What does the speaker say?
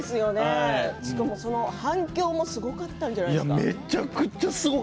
しかも反響もすごかったんじゃないですか。